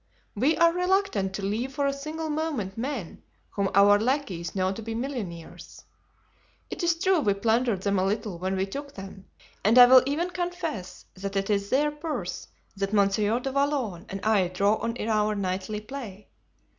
We are reluctant to leave for a single moment men whom our lackeys know to be millionaires. It is true we plundered them a little when we took them, and I will even confess that it is their purse that Monsieur du Vallon and I draw on in our nightly play.